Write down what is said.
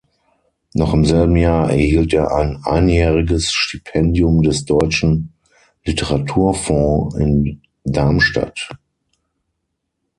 Noch im selben Jahr erhielt er ein einjähriges Stipendium des Deutschen Literaturfonds in Darmstadt.